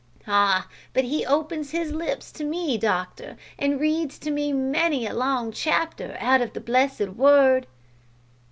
"Ah! but he opens his dear lips to me, doctor, and reads to me many a long chapter out of the blessed Word!"